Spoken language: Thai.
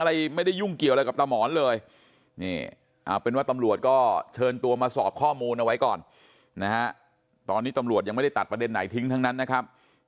อะไรไม่ได้ยุ่งเกี่ยวอะไรกับตาหมอนเลยนี่เอาเป็นว่าตำรวจก็เชิญตัวมาสอบข้อมูลเอาไว้ก่อนนะฮะตอนนี้ตำรวจยังไม่ได้ตัดประเด็นไหนทิ้งทั้งนั้นนะครับ